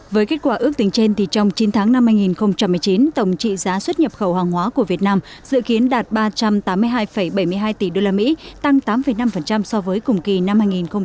với kết quả ước tính trên trong chín tháng năm hai nghìn một mươi chín tổng trị giá xuất nhập khẩu hàng hóa của việt nam dự kiến đạt ba trăm tám mươi hai bảy mươi hai tỷ usd tăng tám năm so với cùng kỳ năm hai nghìn một mươi tám